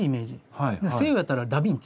西洋やったらダビンチ。